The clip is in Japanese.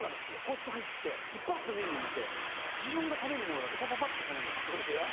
個室入ってバッとメニュー見て自分が食べるものだけパパパっと頼んだんですよ。